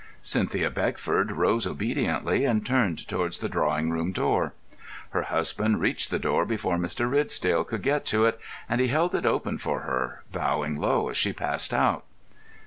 Cynthia Beckford rose obediently and turned towards the drawing room door. Her husband reached the door before Mr. Ridsdale could get to it, and he held it open for her, bowing low as she passed out.